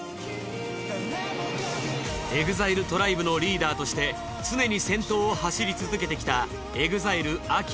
ＥＸＩＬＥＴＲＩＢＥのリーダーとして常に先頭を走り続けてきたＥＸＩＬＥＡＫＩＲＡ。